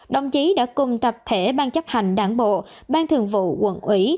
đồng chí đã cùng tập thể ban chấp hành đảng bộ ban thường vụ quận ủy